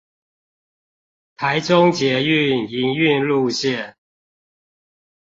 臺中捷運營運路線